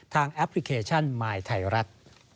แอปพลิเคชันมายไทยรัฐ